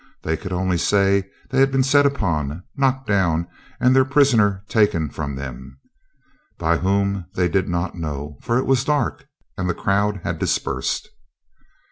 They could only say they had been set upon, knocked down, and their prisoner taken from them. By whom they did not know, for it was dark, and the crowd had dispersed.